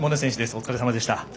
お疲れさまでした。